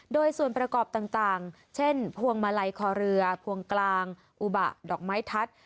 โดยส่วนประกอบต่างเช่นพวงมาลัยคอเรือพวงกลางอุบะดอกไม้ทัศน์